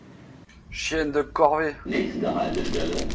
Chienne de corvée!